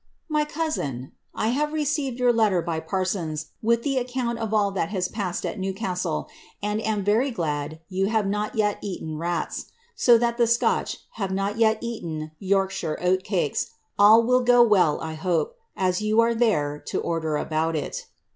■ M7 cousin, ^ I hare received yoar letter bj Panons, wit^ the aoconnt of all that has paiie^ at Newcastle, and am yery glad you have not yet eaten rats : so that the SoonA havo not yet eaten Yorkshire oat cakes, all will go well I hope, as you are then to order about it.